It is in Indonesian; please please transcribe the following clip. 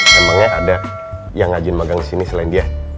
memangnya ada yang ngajin magang di sini selain dia